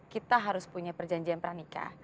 kita harus punya perjanjian pernikah